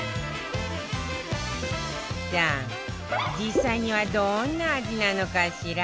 さあ実際にはどんな味なのかしら？